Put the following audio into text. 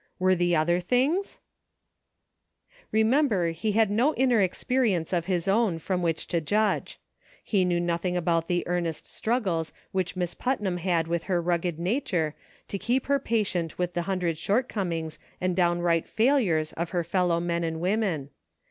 Were the other things .'' Remember he had no inner experience of his own from which to judge. He knew nothing about the earnest struggles which Miss Putnam had with her rugged nature to keep her patient with the hundred shortcomings and downright fail ures of her fellow men and women.